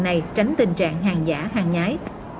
này tránh tình trạng hàng giả hàng nhái